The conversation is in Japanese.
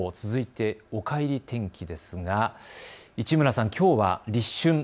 続いておかえり天気ですが市村さん、きょうは立春。